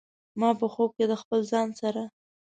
ما په خوب کې د خپل ځان سره